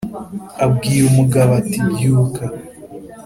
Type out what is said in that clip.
Abwira umugabo ati "Byuka,